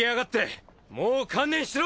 もう観念しろ！